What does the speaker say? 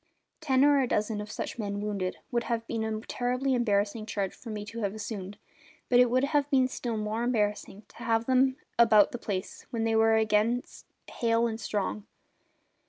Ten or a dozen of such men, wounded, would have been a terribly embarrassing charge for me to have assumed; and it would have been still more embarrassing to have had them about the place when they were again hale and strong.